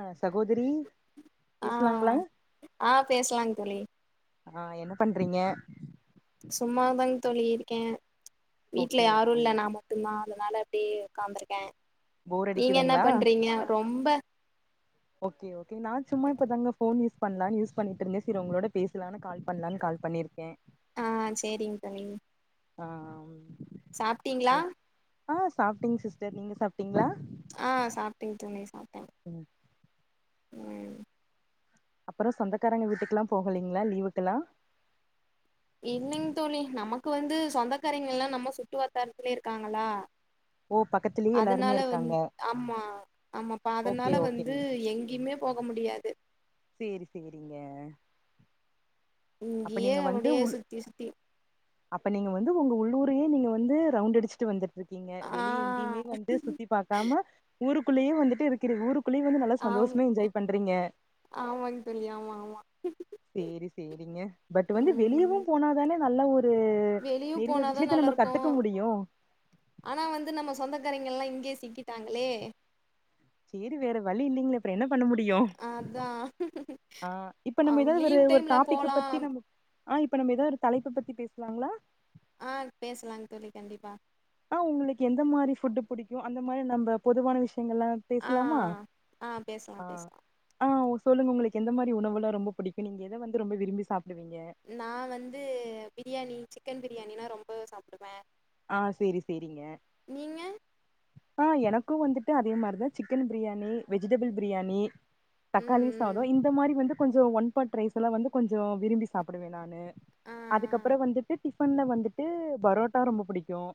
அ சகோதிரி ஆ பேச்லாங்ளா ஆ பேசலாங் தோழி ஆமா என்ன பண்றீங்க சும்மாதாங் தோழியிருக்கே வீட்ல ஓகே யாரு ஓகேங்க இல்ல நா மட் டுந்தா அதனால அப்டியே உக்காந்துருக்கே போர் நீங்க அடிக்குதுங்களா என்னப் பண்றீங்க ரொம்ப ஓகே ஓகே நா சும்மா இப்பதாங்க ஃபோன் யூஸ் பண்லான் யூஸ் பண்ணிட்ருந்தே செரி உங்ளோடப் பேசலானு கால் பண்லான் கால் பண்ணிருக்கே ஆ சேரிங் தோழி ஆம் சாப்ட்டீங்ளா ஆ சாப்டேங் சிஸ்டர் நீங்க சாப்ட்டீங்ளா ஆ சாப்டேங்க தோழி சாப்டே ம் ம் அப்பறோ சொந்தக்காரங்க வீட்டுக்லாம் போகலீங்ளா லீவுக்கெல்லா இல்லைங் தோழி நமக்கு வந்து சொந்தக்காரைங்கல்லா நம்ம சுட்டு வட்டாரத்திலே இருக்காங்களா ஓ பக்கத்துலயே எல்லாருமே அதனால வந் இருக்காங்க ஆமா ஆமப் ப அதனால ஓகே வந்து ஓகேங்க எங்கிமே போக முடியாத் சேரி சேரிங்க அப்ப இங்கியே நீங்க வந்து அப்டியே சுத்தி சுத்தி அப்ப நீங்க வந்து உங்க உள்ளூரியே நீங்க வந்து ரவுண்ட் அடிச்சிட்டு வந்துட்ருக் கீங்க ஆ வெளிய எங்கிமே வந்து சுத்திப் பாக்காம ஊருக்குள்ளியே வந்துட்டு இருக்கிற ஊருக் குள்ளியே வந்து நல்லா ஆம் சந்தோஷமா என்ஜாய் பண்றீங்க ஆமாங் தோழி ஆமா ஆமா சேரி சேரிங்க பட் வந்து ம் வெளியவும் போனாதானே நல்ல ஒரு அ வெளிய நெறிய போனாதா விஷ்யத்த நம்ப நல்லாருக்கு கத்துக்க முடியு ஆனா வந்து நம்ம சொந்தக்காரைங்கல்லா இங்யே சிக்கிட்டாங்களே சேரி வேற வழி இல்லிங்ளேப் அப்றோ என்ன பண்ண முடியு அதா ஆ இப்ப நம்ப அவ் எதாது ஒரு லீவ் ஒரு டைம்ல டாப்பிக்க போலா பத்தி நம்ப ஆ இப்ப நம்ப எதாவொரு தலைப்ப பத்தி பேச்லாங்ளா ஆ பேச்லாங் தோழி கண்டிப்பா ஆ உங்குளுக்கு எந்த மாரி ஃபுட்டு் புடிக்கு அந்த மாரி நம்ப பொதுவான விஷ்யங்கள்லா ஆ பேச்லாமா ஆ பேசலா ஆ பேசலா ஆ ஓ சொல்லுங்க உங்களுக்கு எந்த மாரி உணவெல்லா ரொம்ப பிடிக்கு நீங்க எத வந்து ரொம்ப விரும்பி சாப்பிடுவீங்க நா வந்து பிரியாணி சிக்கன் பிரியாணினா ரொம்பவே சாப்புடுவே ஆ சேரி சேரிங்க ஆ எனக்கு வந்துட்டு அதே மாரிதா சிக்கன் பிரியாணி வெஜிடபிள் பிரியாணி தக்காளி ம் சாதோ ம் இந்த மாரி வந்து கொஞ்சோ ஒன் பாட் ரைஸ் எல்லா வந்து கொஞ்சோ விரும்பி சாப்பிடுவே நானு ஆ அதுக்கப்றோ வந்துட்டு டிஃபன்ல வந்துட்டு பரோட்டா ரொம்ப புடிக்கு ம்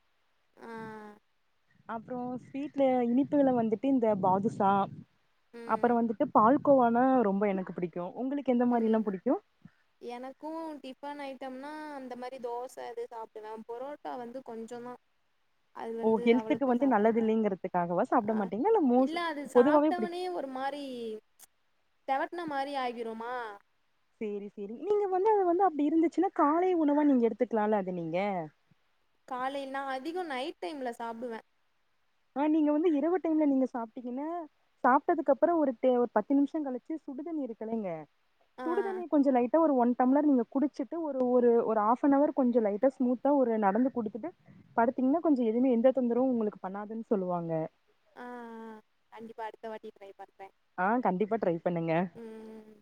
ஆ ஆ [inaudible] அப்றோ ஸ்வீட்ல இனிப்புகள்ல வந்துட்டு இந்த பாதுசா ம் அப்றோ வந்துட்டு பால் கோவானா ரொம்ப எனக்கு புடிக்கு உங்களுக்கு எந்த மாரிலா ம் புடிக்கு எனக்கு டிஃபன் ஐட்டம்னா அந்த மாரி தோச இது சாப்பிடுவே பொரோட்டா வந்து கொஞ்சோந்தா ஓ ஹெல்த்துக்கு வந்து நல்லது மாட்டே இல்லைங்கிறதுக்காகவ ஆ சாப்புட மாட்டீங்க இல்ல மோஸ் பொதுவாவே புடி ரி தெவட்டன மாரி ஆகிருமா சேரி சேரி நீங்க வந்து அது வந்து அப்டி இருந்துச்சின்னா காலை உணவா நீங்க எடுத்துக்கலால அது நீங்க காலைன்னா அதிக நைட் டைம்ல சாப்டுவே ஆ நீங்க வந்து இரவு டைம்ல நீங்க சாப்ட்டீங்கினா சாப்ட்டதுக்கப்றோ ஒரு டெ ஒரு பத்து நிமிஷோ கழிச்சி சுடுதண்ணி இருக்கில்லைங்க ஆ சுடுதண்ணி கொஞ்ச லைட் டா ஒரு ஒன் டம்ளர் நீங்க குடிச்சிட்டு ஒரு ஒரு ஒரு ஆஃப்னவர் கொஞ்ச லைட்டா ஸ்மூத்தா ஒரு நடந்து குடுத்துட்டு படுத்தீங்னா கொஞ்ச எதுவுமே எந்த தொந்தரவு உங்களுக்கு பண்ணாதுன் சொல்லுவாங்க ஆ கண்டிப்பா அடுத்த வாட்டி ட்ரை பண்றே ஆ கண்டிப்பா ட்ரை பண்ணுங்க ம்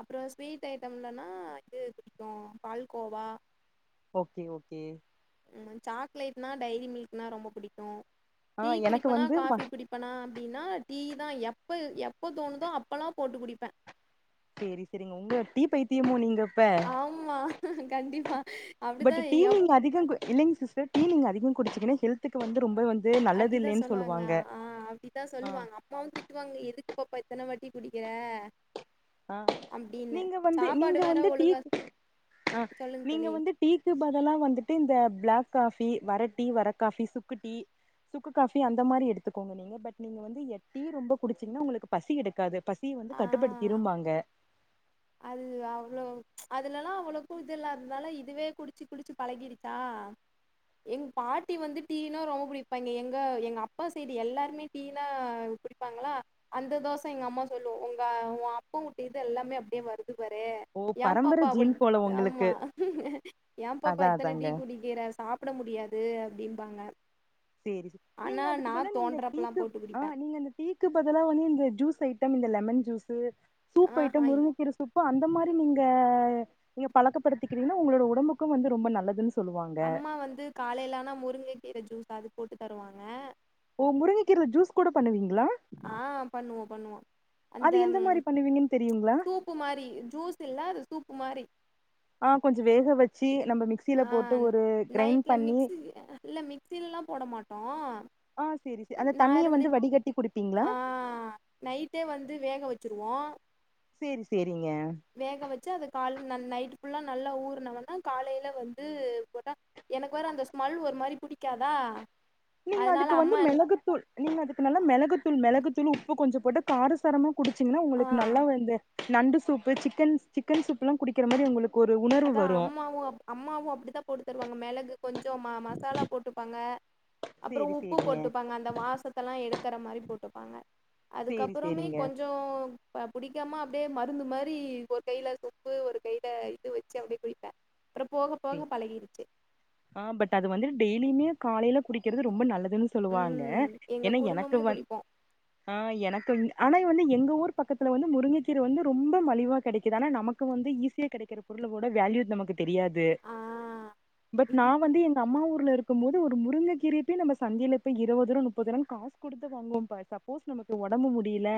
அப்றோ ஸ்வீட் ஐட்டம்லன்னா இது பிடிக்கு பால்கோவா ஓகே ஓகே ம் சாக்லேட்னா டைரி மில்க்னா ரொம்ப புடிக்கு ஆ டீ எனக்கு குடிப்பனா வந்து ம காபி குடி ப்பனா அப்டினா டீ தா எப்ப எப்ப தோணுதோ அப்பலா போட்டு குடிப்பே சேரி சேரிங்க உங்க டீ பைத்தியமோ நீங்க இப்ப ஆமா கண்டிப்பா அப்டிதா எப் அதிகங்கு இல்லிங் சிஸ்டர் டீ நீங்க அதிகோ குடிச்சீங்கனா ஹெல்த்து வந்து ரொம்பவே வந் அப்டிதா சொல்லுவாங்க அ அப்டிதா சொல்லுவாங்க ஆ அம்மாவு திட்டுவாங்க எதுக்கு பாப்பா இத்தன வாட்டி குடிக்கிற அ அப்டின்னு நீங்க வந்து சாப்பாடு நீங்க வேற வந்து அ டீ ஒழுங்கா சொல்லுங்க நீங்க தோழி வந்து டீக்கு பதலா வந்துட்டு இந்த பிளாக் காஃபி வர டீ வர காஃபி சுக்கு டீ சுக்கு காஃபி அந்த மாரி எடுத்துக்கோங்க நீங்க பட் நீங்க வந்து எட்டீ ரொம்ப குடிச்சீங்னா ஒங்குளுக்கு பசி எடுக்காது பசிய வந்து ஆ கட்டுப்படுத்திரும்பாங்க அது அவ்ளோ அதுலலா அவ்ளக்கு இதுல்லததால இதுவே குடிச்சி குடிச்சி பழகிருச்சா எங் பாட்டி வந்து டீனா ரொம்ப புடிப்பாங்கே எங்க எங்க அப்பா சைடு எல்லாருமே டீனா புடிப் பாங்ளா அந்த தோசோ எங்க அம்மா சொல்லு ஒங்க ஓ அப்ப வூட்டு இது எல்லாமே அப்டியே வருது பாரே ஓ ஏ பரம்பர பாப்பா அவுள் ஜீன் போல உங்களுக்கு ஆமா ஏ பாப்பா அதா இத்துன அதாங்க டீ குடிக் கிற சாப்ட முடியாது அப்டிம்பாங்க சேரி சே ஆனா நீங்க அதுக்கு நா பதுலா நீங்க தோன்றப்பல்லா டீக்கு போட்டு அ குடிப்பே நீங்க அந்த டீக்கு பதுலா வந்து இந்த ஜூஸ் ஐட்டம் இந்த லெமன் ஜூஸு சூப் ஆஹா ஐட்டம் இ- முருங்கக்கீர சூப் அந்த மாரி நீங்க நீங்க பழக்கப்படுத்திக்கிறீங்னா உங்களோட உடம்புக்கு வந்து ரொம்ப நல்லதுன் அம்மா வந்து காலைலானா முருங்கக்கீர ஜூஸ் அது போட்டு தருவாங்க ஓ முருங்க கீரல ஜூஸ் கூட பண்ணுவீங்களா ஆ பண்ணுவோ பண்ணுவோ அந்த அது எந்த மாரி பண்ணுவீங்கன்னு தெரியுங்களா சூப் பு மாரி ஜுஸ்ஸில்ல அது சூப்பு மாரி ஆ கொஞ்சோ வேக வெச்சி நம்ப மிக்சில ஆ போட்டு ஒரு கிரைண்ட் நைட்ல பண்ணி மிக்சி இல்ல மிக்சிலல்லா போட மாட்டோ ஆ சேரி சே அந்த நான் தண்ணிய வந்து இருந்துடு வடிகட்டி குடிப்பீங்களா ஆ நைட்டே வந்து வேக வெச்சுருவோ சேரி சேரிங்க வேக வெச்சு அது கால் ந நைட்டு ஃபுல்லா நல்லா ஊற்னவொன்ன காலையில வந்து போட்டா எனக்கு வேற அந்த ஸ்மெல் ஒரு மாரி புடிக்காதா நீங்க அதனால அதுக்கு வந்து அம்மா மெளகுத்தூள் நீங்க அதுக்கு நல்ல மெளகுத்தூள் மெளகுத்தூளு உப்பு கொஞ்சோ போட்டா காரசாரமா குடிச்சுங்னா உங்களுக்கு ஆ நல்லா வந்து நண்டு சூப்பு சிக்கன் சிக்கன் சூப்லா குடிக்கிற மாரி ஒங்குளுக் அதா அம்மாவு அப் அம்மாவு அப்டிதா போட்டு தருவாங்க மெளகு கொஞ்சோ ம மசாலா போட்டுப்பாங்க அப்ரோ சேரி உப்பு சேரிங்க போட்டுப்பாங் அந்த வாசத்தல்லா எடுக்கற மாரி போட்டுப்பாங்க சேரி அதுக்கப்பறமே சேரிங்க கொஞ்சோ ஒ புடிக்காம அப்டியே மருந்து மாரி ஒரு கைல சொம்பு ஒரு கையில இது வச் சு அப்டியே போய்ட அப்ரோ போக சேரி போக பழகிருச்சு ஆ பட் அது வந்துட்டு டெய்லியுமே காலையில குடிக்கறது ரொம்ப நல்லதுன்னு சொல்லுவாங்க ம் எங்க எனா எனக்கு குடும்பமே வந் குடிப்போ அ எனக்கு ஆனா வந்து எங்க ஊர் பக்கத்துல வந்து முருங்கக்கீர வந்து ரொம்ப மலிவா கெடைக்குது ஆனா நமக் கு வந்து ஈஸியா கெடைக்கற பொருளுவோட வேல்யூ நமக்கு தெரியாது ஆ பட் நா வந்து எங்க அம்மா ஊர்லருக் க்கும் போது ஒரு முருங்ககீரயப்பேய் நம்ப சந்தைல பேய் இருவது ருவா முப்பது ருவான் காஸ் குடுத்து வாங்குவோம் பார் சப் போஸ் நமக்கு ஒடம்பு முடியில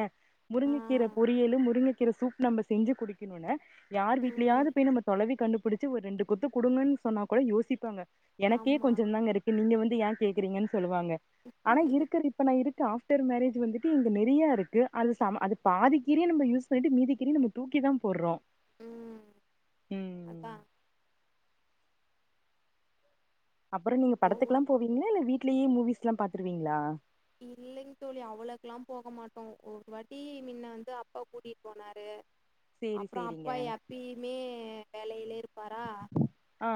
ஆ முருங்கக்கீர பொரியலு முருங்கக்கீர சூப் நம்ப செஞ்சி குடிக்கணுன யார் ம் வீ்ட்லயாது போய் நம்ம தொலவி கண்டுபுடுச்சி ஒரு ரெண்டு கொத்து குடுங்கன் சொன்னா கூட யோசிப்பாங்க எனக்கே ஆமா கொஞ்சந்தாங்க இருக்கு நீங்க வந்து ஏன் கேக்குறீங்கன்னு சொல்லுவாங்க ஆனா இருக்கற இப்ப நா இருக்கு ஆஃப்டர் மேரேஜ் வந்துட்டு இங்க நெறையா இருக்கு அது சம அது பாதிக்கீரய நம்ம யூஸ் பண்ணிட்டு மீதிக்கீரய நம்ப தூக்கி தா போட்றோ ம் அதா அப்பரோ நீங்க ஒவ்வொரு படத்துக்கெல்லா போவீங்களா இல்ல வீட்லயே மூவிஸ்லா பாத்துருவீங்களா இல்லைங் தோழி அவ்ளக்கெல்லா போக மாட்டோ ஒரு வாட்டி மின்ன வந்து அப்பா கூட்டிட்டு போனாரு சேரி அப்ரோ சேரிங்க அப்பா எப்பயுமே வேலையிலே இருப்பாரா ஆ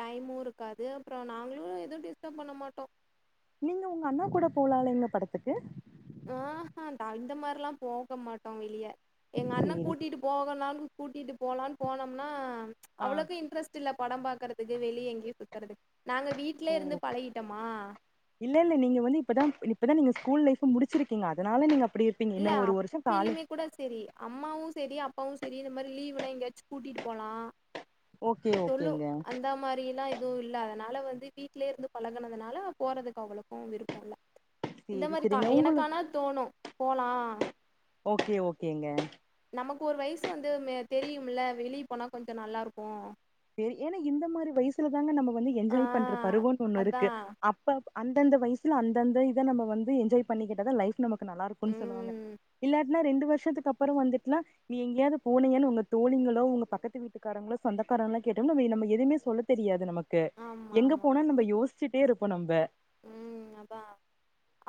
டைமு இருக்காது அப்ரோ நாங்ளு எது டிஸ்டர்ப் பண்ண மாட்டோ நீங்க உங்க அண்ணா கூட போலால்லீங்ளா படத்துக்கு ஆஹா இந்த மாரில்லா போக மாட்டோ வெளிய எங்க அண்ண சேரி கூட்டிட்டு போ போகலானு கூட்டிட்டு போலான்னு போனம்னா ஆ அவ்ளோக்கு இன்ட்ரஸ்ட் த்துல படம் பாக்குறதுக்கு வெளிய எங்கேயு சுத்துறது நாங்க வீட்லே இருந்து பழகிட்டமா இல்லல்ல நீங்க வந்து இப்பதா இப்பதா நீங்க ஸ்கூல் லைஃப முடிச்சிருக்கீங்க அதனால நீங்க அப்டி இருப்பீங்க இல்ல இன்னு ஒரு வருஷோ காலே அப்பிலிமே கூட செரி அம்மாவு செரி அப்பாவு செரி இந்த மாரி லீவ்னா எங்கயாச்சு கூட்டிட்டு போலா ஓகே சொல்லு ஓகேங்க அந்தா மாரிலா துவு இல்ல அதனால வந்து வீட்லே இருந்து பழகனதுனால போறதுக்கு அவ்ளோக்கு விருப்போ இல்ல இந்த சேரி மாரிக்கா சேரிங்க எனக்கு உங்களு ஆனா தோணு போலா ஓகே ஓகேங்க நமக்கு ஒரு வயசு வந்து மே தெரியுமுல வெளிய போனா கொஞ்ச நல்லாருக்கு சேரி ஏனா இந்த மாரி வயசுல தாங்க நம்ம வந்து ஆ என்ஜாய் பண்ற பருவோன்னு ஒன்னு அதா இருக்கு அப் ப்ப அந்தந்த வயசுல அந்தந்த இத நம்ம வந்து என்ஜாய் பண்ணிக்கிட்டா தா லைஃப் நமக் கு நல்லாருக்குன் சொல்லுவாங்க ம் இல்லாட்னா ரெண்டு வர்ஷத்துக்கு அப்பறோ வந்துட்னா நீ எங்கேயாது போனீயானு உங்க தோழிங்களோ உங்க பக்கத்து வீட்டுக்காரங்களோ சொந்தக் காரங்களா கேட்டா நம்ம ஏ நம்ம எதையுமே சொல்ல தெரியாது நமக்கு ஆமா எங்க ஆமா போனோன் நம்ப யோசிச்சுட்டே இருப்போ நம்ப ம் அதா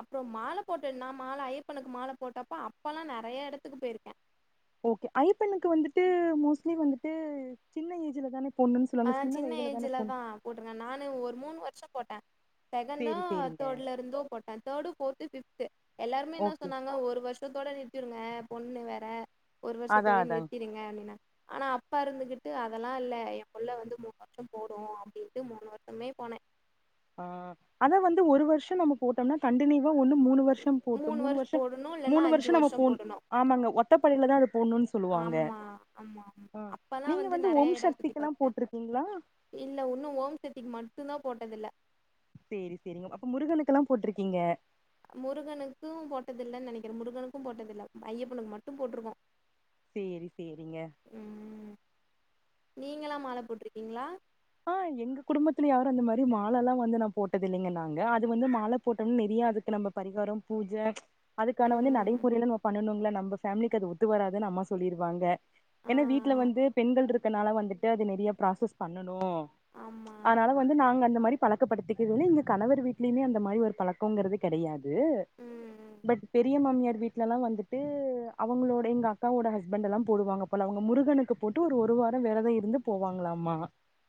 அப்றோ மால போட்ட நா மால ஐயப்பனுக்கு மால போட்டப்ப அப்பலா நெறையா எடத்துக்கு போயிருக்கே ஓகே ஐயப்பனுக்கு வந்துட்டு மோஸ்ட்லி வந்துட்டு சின்ன ஏஜ்ல தானே போட்ணுன் ஆ சொல்லுவாங்க சின்ன வயதுல தானே ஏஜ்ல போட்ணு தா போட்ருக்கே நானே ஒரு மூணு வர்ஷ போட்டே செகண்டோ சேரி சேரிங்க தேர்ட்ல இருந்தோ போட்டே தேர்டு ஃபோர்த் தத்து ஃபிஃப்த்து எல்லாருமே என்ன ஓகே சொன்னாங்க ஒரு வர்ஷத்தோட நிறுத்திடுங்க பொண்ணு வேற ஒரு அதா வர்ஷத்தோடே அதா நிறுத்திருங்க அப்டினாங்க ஆனா அப்பா இருந்துகிட்டு அதெல்லா இல்ல எ புள்ள வந்து மூணு வர்ஷ போடு அப்டின்ட்டு மூணு வர்ஷமுமே போனே ஆ ஆனா வந்து ஒரு வர்ஷ நம்ம போட்டம்னா கண்டினியூ வா ஒன்னு மூணு வர்ஷம் போட்டு மூணு வருஷோ வர்ஷ போடணு இல்லன்னா மூணு வர்ஷ அஞ்சு நம்ம வருஷோ போட்ண் போடணு ஆமாங்க ஒத் ஒத்த படைல தா அது போடணுன் ஆமா சொல்லுவாங்க ஆமா ஆமா அப்பதா நீங்க வந்து ஓம் நெறைய எடோ சுத்தி சக்திக்கெல்லா பாத்துட்டே போட்ருக் கீங்ளா இல்ல இன்னு ஓம்சத்திக்கு மட்டுந்தா போட்டதில்ல சேரி சேரிங்க அப்ப முருகனுக்குலா போட்ருக்கீங்க முருகனுக்கு போட்டதில்லன் நெனைக்கிறே முருகனுக்கு போட்டதில்ல ஐயப்பனுக்கு மட்டு போட்ருக்கோ சேரி சேரிங்க ம் நீங்கலா மால போட்ருக்கீங்ளா ஆ எங்க குடும்பத்துல யாரு அந்த மாரி மாலலா வந்து நா போட்டதில்லைங்க நாங்க அது வந்து மால போட்டோனா நெறையா அதுக்கு நம்ம பரிகார பூஜ அதுக்கான வந்து ம் நடைமுறைலா நம்ம பண்ணனும்ல நம்ப ஃபேம்லிக்கு அது ஒத்து வராதுன் அம்மா சொல்லிருவாங்க ஆ ஏனா வீட்ல வந்து பெண்கள் இருக்கனால வந்துட்டு அது நெறைய ப்ராசஸ் பண்ணனு ஆமா இங்க வந்து நாங்க அந்த மாரி பழக்கப்படுத்திக்கவு இல்ல எங்க கணவர் வீட்லயுமே அந்த மாரி ஒரு பழக் கங்கிறது கெடையாது ம் பட் பெரிய மாமியார் வீட்லெல்லா வந்துட்டு அவுங்களோட எங்க அக்காவோட ஹஸ்பண்டெல்லா போடுவாங்க போல அவ்ங்க முருகனுக்கு போட்டு ஒரு ஒரு வார வெரத இருந்துப் போவாங்ளாமா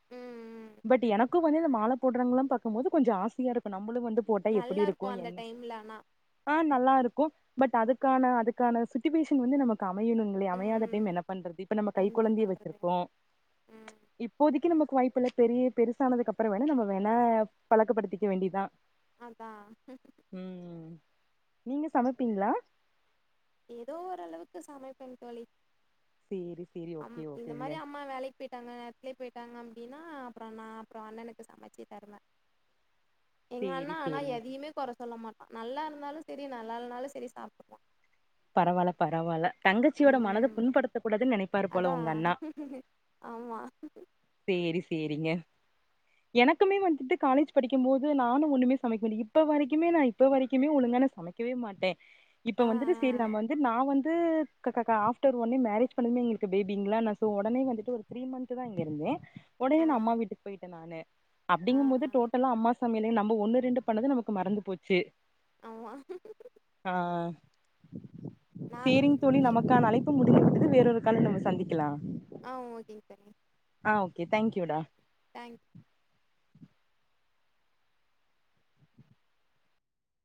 ம் ம் பட் எனக்கு வந்து இந்த மால போட்றவ்ங்கலா பாக்கும் போது கொஞ்ச ஆசையா இருக்கு நம்பளு வந்து போட்டா எப்டி நல்லா இருக்கு அந்த என்ன டைம்ல ஆனா ஆ நல்லா இருக்கு பட் அதுக்கான அதுக்கான சுட்டுவேஷன் வந்து நமக்கு அமையணுங் இல்லையா அமையாது அப்டின் ம் என்ன பண்றது இப்ப நம்ம கை என்ன கொழந்தைய பண்றது வெச்சிருக்கோ ம் இப்போதைக்கு நமக்கு வாய்ப்பு இல்ல பெரிய பெருசானதுக்கு அப்பற வேணா நம்ம வேணா பழக்கப்படுத்திக்க வேண்டியதா அதா ம் நீங்க சமைப்பீங்ளா எதோ ஓரளவுக்கு சமைப்பேங் தோழி சேரி சேரி அம் ஓகே இந்த ஓகேங்க மாரி அம்மா வேலைக் போயிட்டாங்க நேரத்துலே போயிட்டாங்க அப்டினா அப்றோ நா அப்றோ அண்ணனுக்கு சமைச்சு தருவே எங்க சேரி அண்ணா ஆனா சேரிங்க எதையுமே கொற சொல்ல மாட்டா நல்லா இருந்தாலு சேரி நல்லா இல்லைனாலு சேரி சாப்ட்டுப்பா பரவால்ல பரவால்ல தங்கச்சியோட மனது ம் புண்படுத்தக் கூடாதுன் நெனை அதா ஆமா சேரி சேரிங்க எனக்குமே வந்துட்டு காலேஜ் படிக்கமோது நானும் ஒண்ணுமே சமைக்கல இப்ப வரைக்குமே நா இப்ப வரைக்குமே ஒழுங்கா நா சமைக் கவே மாட்டேன் இப்ப ஆ வந்துட்டு செரி நம்ப வந்து நா வந்து கக்கக்கா ஆஃப்டர் ஒன்னே மேரேஜ் பண்ணதுமே எங்களுக்கு பேபிங்களா நா சோ ஒடனே வந்துட்டு ஒரு த்ரீ மன்த் தான் இங்க இருந்தே ஆ ஒடனே ஆ நான் அம்மா வீட்டுக்கு போய் டன் நானு ஆ அப்டிங்கமோது ஆ டோட்டலா அம்மா சாமையலே நம்ப ஒண்ணு ரெண்டு பண்ணது நமக்கு மறந்து போச்சி ஆமா ஆ சேரிங்க தோழி நா நமக்கான அழைப் பு முடிந்து விட்டது வேற ஒரு கால்ல நம்ம சந்திக்கலா ஆ ஓகேங்க தோழி ஆ ஓகே தேங்க் யூ டா தேங்க்